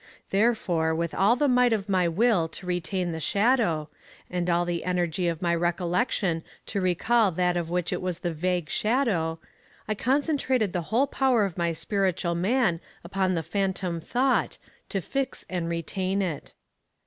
Therefore, with all the might of my will to retain the shadow, and all the energy of my recollection to recall that of which it was the vague shadow, I concentrated the whole power of my spiritual man upon the phantom thought, to fix and retain it.